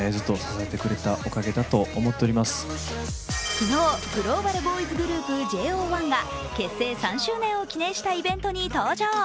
昨日、グローバルボーイズグループ・ＪＯ１が結成３周年を記念したイベントに登場。